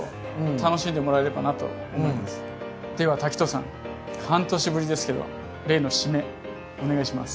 では滝藤さん半年ぶりですけど例の締めお願いします。